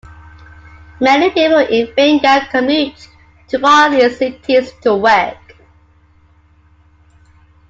Many people in Vinga commute to one of these cities to work.